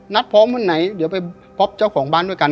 พร้อมวันไหนเดี๋ยวไปพบเจ้าของบ้านด้วยกัน